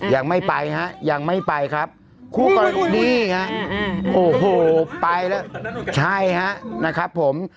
ยังไม่ไปฮะยังไม่ไปครับคู่กรณีนี่ฮะโอ้โหไปแล้วใช่ฮะนะครับผม